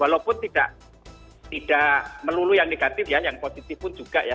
walaupun tidak melulu yang negatif ya yang positif pun juga ya